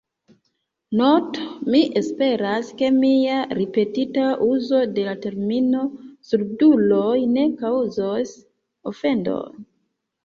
Noto: Mi esperas, ke mia ripetita uzo de la termino surduloj ne kaŭzos ofendon.